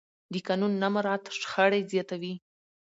د قانون نه مراعت شخړې زیاتوي